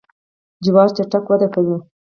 جوار چټک وده کوي.